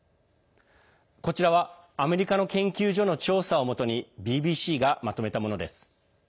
こちらは、アメリカの研究所の調査をもとにＢＢＣがまとめたものです。